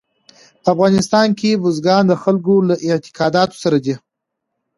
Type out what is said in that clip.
په افغانستان کې بزګان د خلکو له اعتقاداتو سره دي.